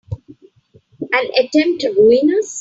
An attempt to ruin us!